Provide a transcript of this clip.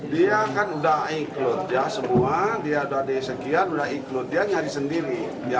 dia kan udah ikut dia semua dia udah di sekian sudah ikut dia nyari sendiri